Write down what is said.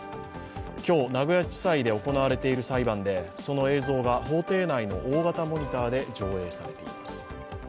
今日、名古屋地裁で行われている裁判でその映像が法廷内の大型モニターで上映されています。